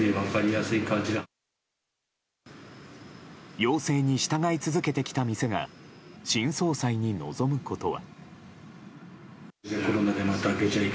要請に従い続けてきた店が新総裁に望むことは。